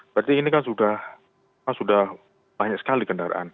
berarti ini kan sudah banyak sekali kendaraan